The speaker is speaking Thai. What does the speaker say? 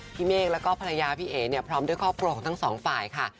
เมฆแล้วก็ภรรยาพี่เอ๋เนี่ยพร้อมด้วยครอบครัวของทั้งสองฝ่ายค่ะ